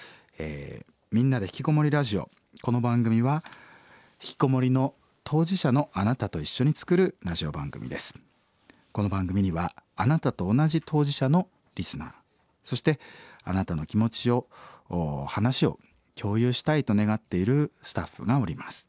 「みんなでひきこもりラジオ」この番組はひきこもりの当事者のあなたと一緒に作るラジオ番組です。この番組にはあなたと同じ当事者のリスナーそしてあなたの気持ちを話を共有したいと願っているスタッフがおります。